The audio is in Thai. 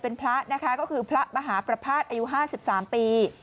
เป็นพระนะคะก็คือพระมหาประภาษณ์อายุ๕๓ปี